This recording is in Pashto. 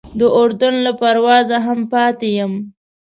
د اردن له پروازه هم پاتې یم.